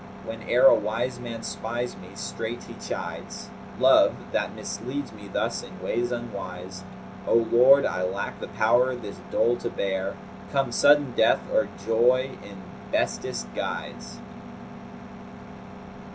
Whene'er a wise man spies me, straight he chides * Love, that misleads me thus in ways unwise: O Lord, I lack the power this dole to bear: * Come sudden Death or joy in bestest guise!"